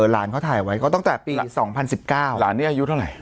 หลานเขาถ่ายไว้ก็ตั้งแต่ปี๒๐๑๙หลานนี้อายุเท่าไหร่